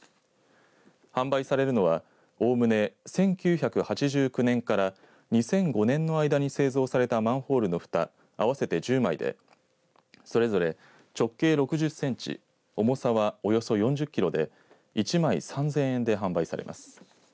販売されるのはおおむね１９８９年から２００５年の間に製造されたマンホールのふた合わせて１０枚でそれぞれ直径６０センチ重さは、およそ４０キロで１枚３０００円で販売されます。